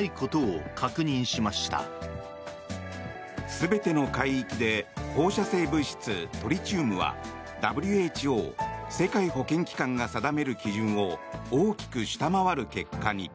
全ての海域で放射性物質トリチウムはＷＨＯ・世界保健機関が定める基準を大きく下回る結果に。